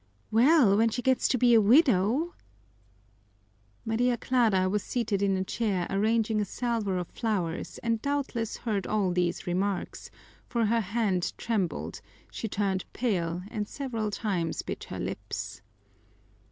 "Well, when she gets to be a widow " Maria Clara was seated in a chair arranging a salver of flowers and doubtless heard all these remarks, for her hand trembled, she turned pale, and several times bit her lips.